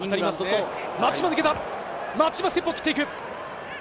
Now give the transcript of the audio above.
松島、ステップを切っていく。